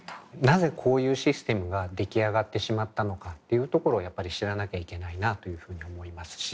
なぜこういうシステムが出来上がってしまったのかっていうところをやっぱり知らなきゃいけないなというふうに思いますし。